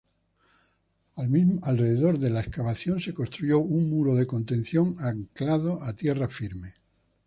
Alrededor de la excavación se construyó un muro de contención anclado a tierra firme.